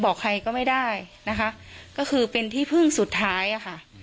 บอกใครก็ไม่ได้นะคะก็คือเป็นที่พึ่งสุดท้ายอะค่ะ